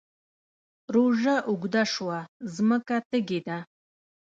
روژه اوږده شوه مځکه تږې ده